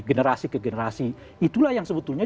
generasi ke generasi itulah yang sebetulnya